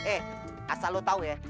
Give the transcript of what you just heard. eh asal lo tau ya